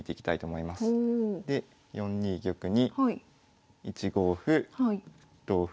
で４二玉に１五歩同歩。